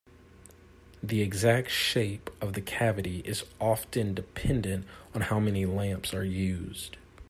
The exact shape of the cavity is often dependent on how many lamps are used.